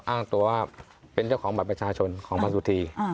อ้างตัวว่าเป็นเจ้าของบัตรประชาชนของพันสุธี